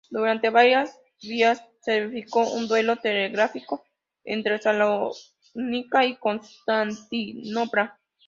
Durante varios días, se verificó un duelo telegráfico entre Salónica y Constantinopla.